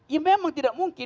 ya memang tidak mungkin